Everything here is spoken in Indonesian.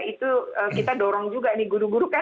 itu kita dorong juga nih guru guru kan